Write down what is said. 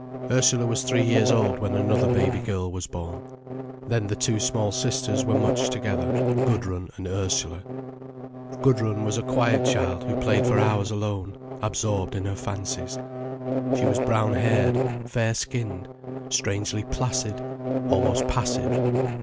Ursula was three years old when another baby girl was born. Then the two small sisters were much together, Gudrun and Ursula. Gudrun was a quiet child who played for hours alone, absorbed in her fancies. She was brown haired, fair skinned, strangely placid, almost passive.